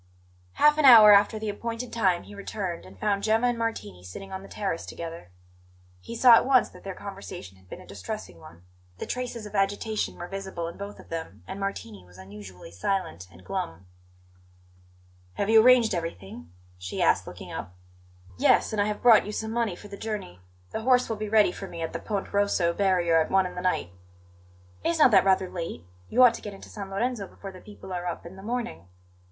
Half an hour after the appointed time he returned, and found Gemma and Martini sitting on the terrace together. He saw at once that their conversation had been a distressing one; the traces of agitation were visible in both of them, and Martini was unusually silent and glum. "Have you arranged everything?" she asked, looking up. "Yes; and I have brought you some money for the journey. The horse will be ready for me at the Ponte Rosso barrier at one in the night." "Is not that rather late? You ought to get into San Lorenzo before the people are up in the morning."